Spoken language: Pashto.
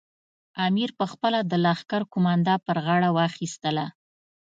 امیر پخپله د لښکر قومانده پر غاړه واخیستله.